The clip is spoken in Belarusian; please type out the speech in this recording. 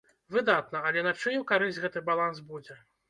Выдатна, але на чыю карысць гэты баланс будзе?